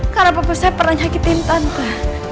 karena bapak saya pernah nyakitin tante